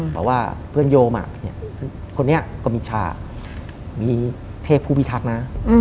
บอกว่าเพื่อนโยมคนนี้ก็มีชามีเทพผู้พิทักษ์นะ